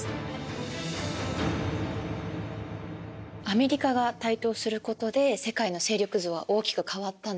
アメリカが台頭することで世界の勢力図は大きく変わったんですね。